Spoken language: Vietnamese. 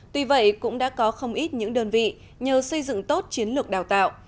tuy vậy cũng đã có không ít những đơn vị nhờ xây dựng tốt chiến lược đào tạo